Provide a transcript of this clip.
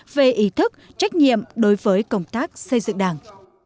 về ý thức trách nhiệm đối với công tác xây dựng đảng